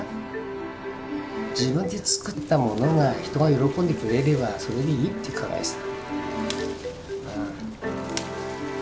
自分で作ったものが人が喜んでくれればそれでいいって考えさ。